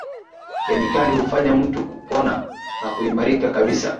kemikali hufanya mtu kupona na kuimarika kabisa